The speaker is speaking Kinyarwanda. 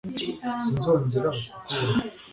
sinzongera kukubona